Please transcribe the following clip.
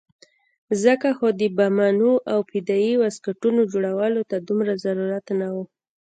ځکه خو د بمانو او فدايي واسکټونو جوړولو ته دومره ضرورت نه وو.